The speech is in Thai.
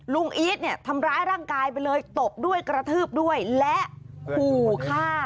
อีทเนี่ยทำร้ายร่างกายไปเลยตบด้วยกระทืบด้วยและขู่ฆ่า